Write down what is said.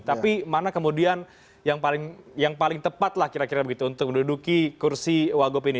tapi mana kemudian yang paling tepat lah kira kira begitu untuk menduduki kursi wagup ini